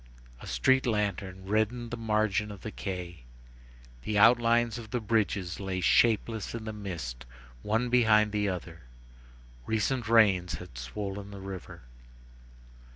A street lantern reddened the margin of the quay. The outlines of the bridges lay shapeless in the mist one behind the other. Recent rains had swollen the river.